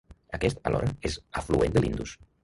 Aquest, alhora, és afluent de l'Indus.